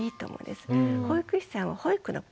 保育士さんは保育のプロです。